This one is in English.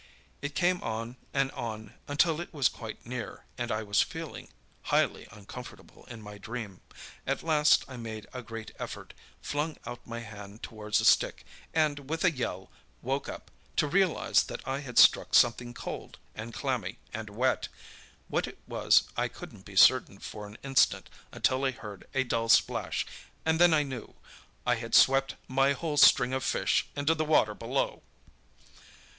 It came on and on until it was quite near, and I was feeling highly uncomfortable in my dream. At last I made a great effort, flung out my hand towards a stick, and, with a yell, woke up, to realise that I had struck something cold, and clammy, and wet. What it was I couldn't be certain for an instant, until I heard a dull splash, and then I knew. I had swept my whole string of fish into the water below!